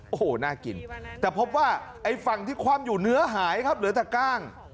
โอ้โหน่ากินแต่พบว่าไอ้ฝั่งที่คว่ำอยู่เนื้อหายครับเหลือแต่กล้าง